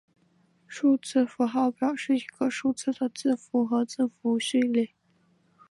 数字符号表示一个数字的字符和字符序列。